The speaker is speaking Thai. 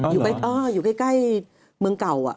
อยู่ใกล้เมืองเก่า